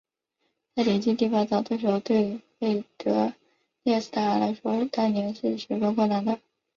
在邻近地方找对手对费德列斯达来说当年是十分困难的。